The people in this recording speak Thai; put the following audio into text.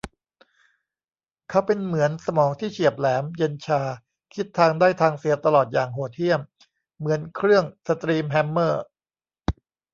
เขาเป็นเหมือนสมองที่เฉียบแหลม เย็นชา คิดทางได้ทางเสียตลอดอย่างโหดเหี้ยมเหมือนเครื่องสตรีมแฮมเมอร์